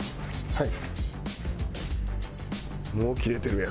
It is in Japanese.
はい。